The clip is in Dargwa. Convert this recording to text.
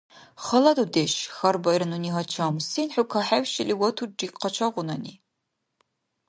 — Хала дудеш, — хьарбаира нуни гьачам, — сен хӀу кахӀевшили ватурри къачагъунани?